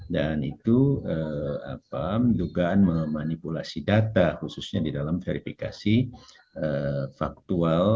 dan itu dugaan memanipulasi data khususnya di dalam verifikasi faktual